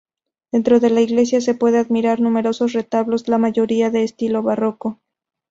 Dentro de la iglesia se pueden admirar numerosos retablos, la mayoría de estilo barroco.